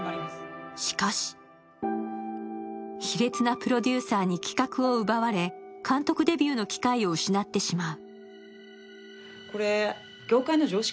しかし卑劣なプロデューサーに企画を奪われ監督デビューの機会を失ってしまう。